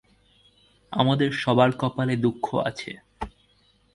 আমাদের সবার কপালে দুঃখ আছে।